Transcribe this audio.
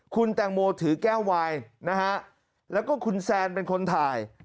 คุณแตงโมถือแก้ววายนะฮะแล้วก็คุณแซนเป็นคนถ่าย